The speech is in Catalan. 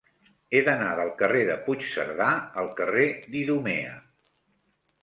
He d'anar del carrer de Puigcerdà al carrer d'Idumea.